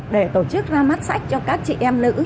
để tổ chức ra mắt sách cho các chị em nữ